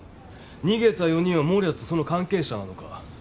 逃げた４人は守谷とその関係者なのか？